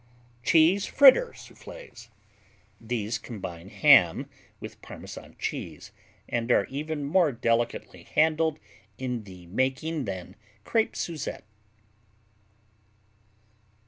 Cheese Fritter Soufflés These combine ham with Parmesan cheese and are even more delicately handled in the making than crêpes suzette.